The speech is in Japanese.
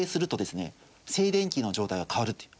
静電気の状態が変わるっていう。